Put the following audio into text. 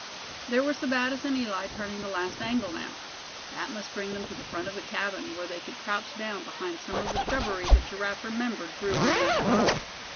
There were Sebattis and Eli turning the last angle now. That must bring them to the front of the cabin, where they could crouch down behind some of the shrubbery that Giraffe remembered grew on that side.